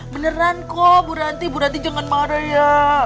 beneran kok bu ranti bu ranti jangan marah ya